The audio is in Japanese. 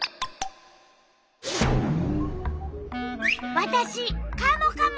わたしカモカモ！